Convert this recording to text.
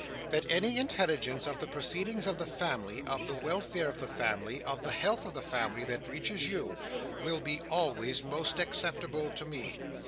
That any intelligence of the proceedings of the family, of the welfare of the family, of the health of the family, that reaches you, will be always most acceptable to me.